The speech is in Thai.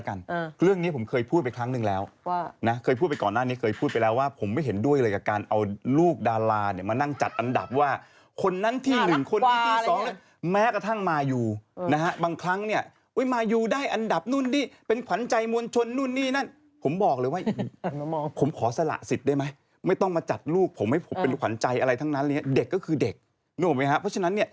คือแล้วก็เอาเด็กมาเปรียบเทียบกันซึ่งพี่รู้สึกว่ามัน